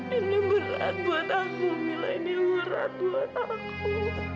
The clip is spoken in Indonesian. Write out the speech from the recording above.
ini berat buat aku mila ini berat buat aku